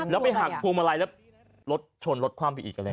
แล้วไปหักภูมิมาลัยแล้วรถชนรถความผิดอีกก็ได้